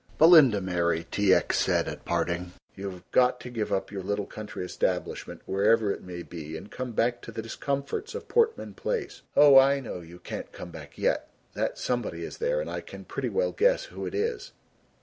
"Belinda Mary," said T. X. at parting, "you have got to give up your little country establishment, wherever it may be and come back to the discomforts of Portman Place. Oh, I know you can't come back yet. That 'somebody' is there, and I can pretty well guess who it is."